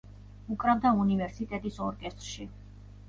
უკრავდა უნივერსიტეტის ორკესტრში.